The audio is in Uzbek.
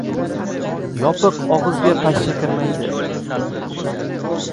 • Yopiq og‘izga pashsha kirmaydi.